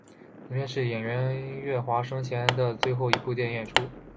本片是演员岳华生前的最后一部电影演出。